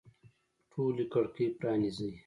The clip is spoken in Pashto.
ټولي کړکۍ پرانیزئ